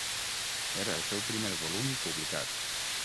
Era el seu primer volum publicat.